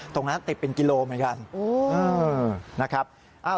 ตรงนั้นติดเป็นกิโลกรัมเหมือนกัน